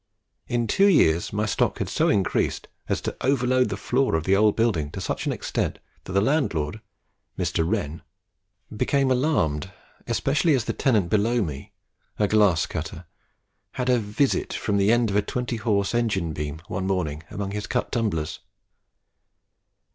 In two years my stock had so increased as to overload the floor of the old building to such an extent that the land lord, Mr. Wrenn, became alarmed, especially as the tenant below me a glass cutter had a visit from the end of a 20 horse engine beam one morning among his cut tumblers.